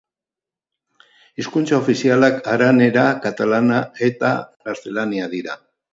Hizkuntza ofizialak aranera, katalana eta gaztelania dira.